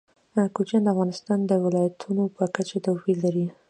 کوچیان د افغانستان د ولایاتو په کچه توپیر لري.